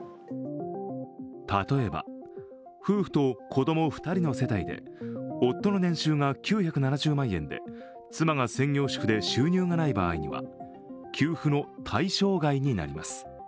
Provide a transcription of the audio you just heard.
例えば、夫婦と子供２人の世帯で夫の年収が９７０万円で妻が専業主婦で収入がない場合には、給付の対象外になります。